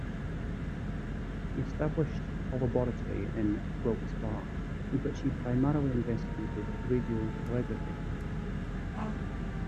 He established a laboratory in Wilkes-Barre, in which he primarily investigated radiotelegraphy.